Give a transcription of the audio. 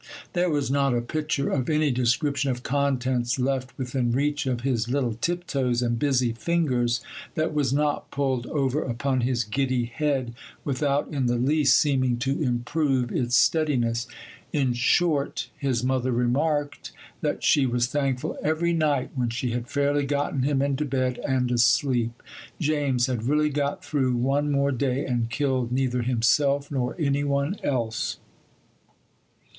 There was not a pitcher of any description of contents left within reach of his little tiptoes and busy fingers that was not pulled over upon his giddy head without in the least seeming to improve its steadiness. In short, his mother remarked that she was thankful every night when she had fairly gotten him into bed and asleep: James had really got through one more day and killed neither himself nor any one else.